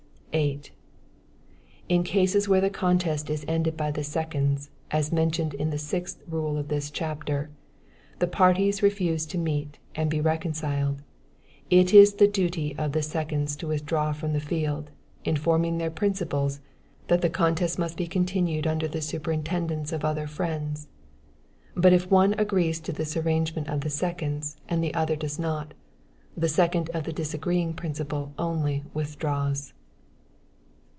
8. If in cases where the contest is ended by the seconds, as mentioned in the sixth rule of this chapter, the parties refuse to meet and be reconciled, it is the duty of the seconds to withdraw from the field, informing their principals, that the contest must be continued under the superintendence of other friends. But if one agrees to this arrangement of the seconds, and the other does not, the second of the disagreeing principal only withdraws.